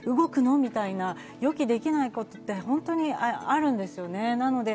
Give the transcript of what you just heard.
みたいな、予期できないことってあるんですよね。